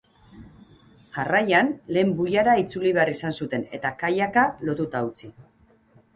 Jarraian, lehen buiara itzuli behar izan zuten, eta kayaka lotuta utzi.